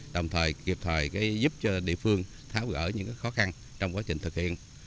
đồng thời kịp thời giúp cho địa phương tháo gỡ những khó khăn trong quá trình thực hiện